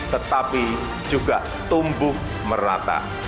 tetapi juga tumbuh merata